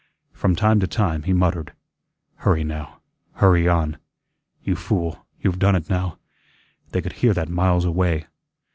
From time to time he muttered: "Hurry now; hurry on. You fool, you've done it now. They could hear that miles away.